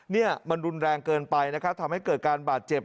เนี่ยมันรุนแรงเกินไปนะครับทำให้เกิดการบาดเจ็บ